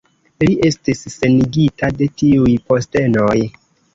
Li estis senigita de tiuj postenoj.